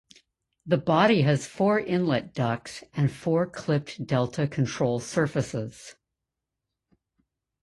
The body has four inlet ducts and four clipped delta control surfaces.